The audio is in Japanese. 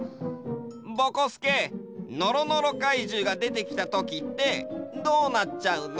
ぼこすけのろのろかいじゅうがでてきたときってどうなっちゃうの？